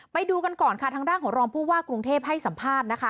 ไปดูกันก่อนค่ะทางด้านของรองผู้ว่ากรุงเทพให้สัมภาษณ์นะคะ